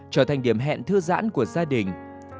trở thành điểm hẹn thư giãn của gia đình